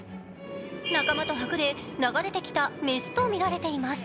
仲間とはぐれ、流れてきた雌とみられています。